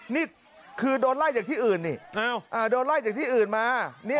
นี่คือโดนไล่จากที่อื่นนี่อ้าวอ่าโดนไล่จากที่อื่นมาเนี่ย